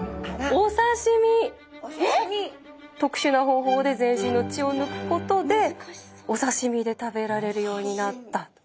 お刺身！とくしゅな方法で全身の血をぬくことでお刺身で食べられるようになったと。